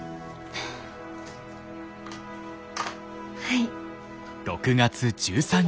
はい。